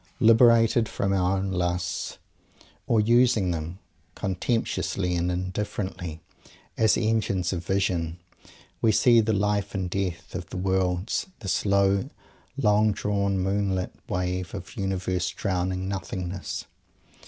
Liberated from our own lusts, or using them, contemptuously and indifferently, as engines of vision, we see the life and death of worlds, the slow, long drawn, moon lit wave of Universe drowning Nothingness.